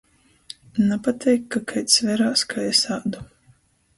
Napateik, ka kaids verās, kai es ādu.